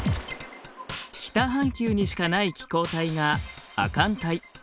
北半球にしかない気候帯が亜寒帯。